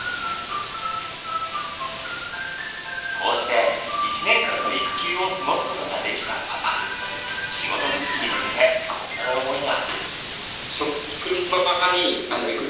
こうして１年間の育休を過ごすことができたパパ仕事復帰に向けてこんな思いが。